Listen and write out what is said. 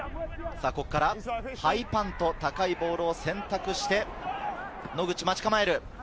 ハイパント、高いボールを選択して、野口が待ち構える。